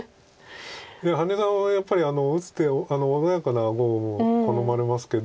羽根さんはやっぱり打つ手を穏やかな碁を好まれますけど。